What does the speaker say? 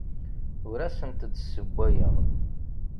Ur asent-d-ssewwayeɣ.